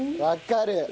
わかる。